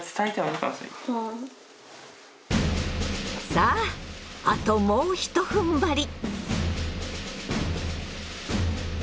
さああともうひとふんばり！